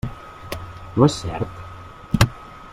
No és cert?